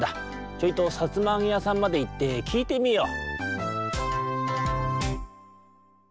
ちょいとさつまあげやさんまでいってきいてみよう」。